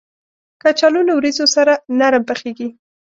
کچالو له وریجو سره نرم پخېږي